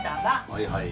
はいはい。